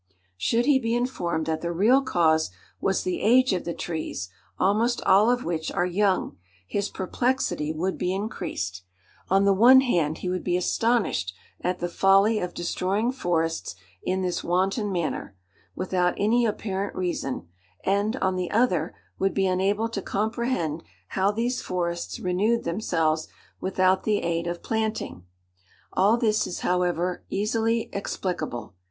Should he be informed that the real cause was the age of the trees, almost all of which are young, his perplexity would be increased. On the one hand he would be astonished at the folly of destroying forests in this wanton manner, without any apparent reason; and, on the other, would be unable to comprehend how these forests renewed themselves without the aid of planting. All this is, however, easily explicable.